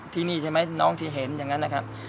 ที่นี่ใช่ไหมน้องที่เห็นอย่างนั้นนะครับ